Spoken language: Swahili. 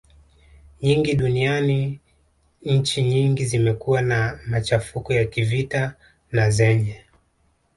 nyingi duniani nchi nyingi zimekuwa na machafuko ya kivita na zenye